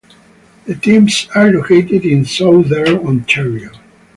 The teams are located in Southern Ontario.